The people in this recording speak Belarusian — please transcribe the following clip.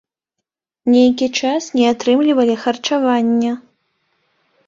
Нейкі час не атрымлівалі харчаванне.